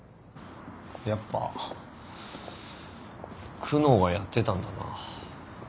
やっぱ久能がやってたんだな。